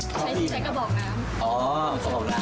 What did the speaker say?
ในชีวิตใช้กระบอกน้ำ